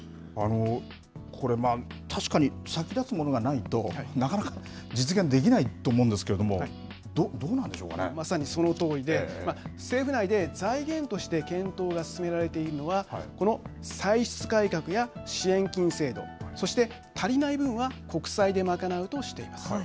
これ確かに先立つものがないとなかなか実現できないと思うんですけどもまさにそのとおりで政府内で財源として検討が進められているのはこの歳出改革や支援金制度そして足りない分は国債で賄うとしています。